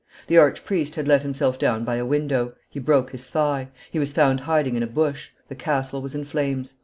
The archpriest had let himself down by a window; he broke his thigh; he was found hiding in a bush; the castle was in flames.